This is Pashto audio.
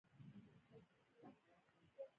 کېله د ستړیا ضد ماده لري.